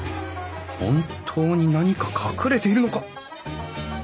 本当に何か隠れているのか？